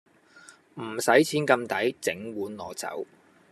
唔使錢咁抵，整碗攞走